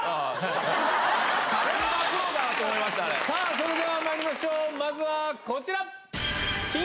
それではまいりましょうまずはこちら！